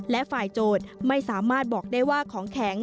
และฝ่ายโจทย์ไม่สามารถบอกได้ว่าของแข็ง